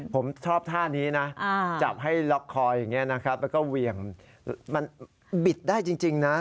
ผมชอบท่านี้นะจับให้ล็อกคออย่างนี้นะครับแล้วก็เหวี่ยงมันบิดได้จริงนะ